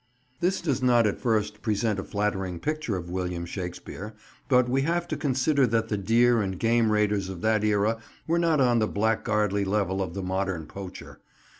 This does not at first sight present a flattering picture of William Shakespeare, but we have to consider that the deer and game raiders of that era were not on the blackguardly level of the modern poacher.